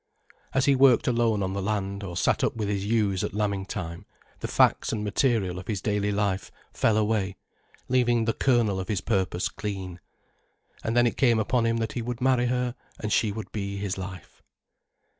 As he worked alone on the land, or sat up with his ewes at lambing time, the facts and material of his daily life fell away, leaving the kernel of his purpose clean. And then it came upon him that he would marry her and she would be his life.